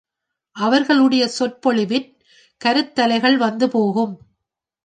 அவர்களுடைய சொற்பொழிவிற் கருத்தலைகள் வந்து போகும்.